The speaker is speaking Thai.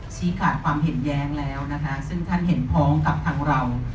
ชี้ขาดความเห็นแย้งแล้วนะคะซึ่งท่านเห็นพ้องกับทางเรา